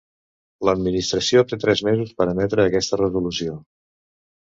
L'Administració té tres mesos per emetre aquesta resolució.